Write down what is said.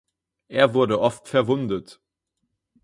Er wurde oft verwundet.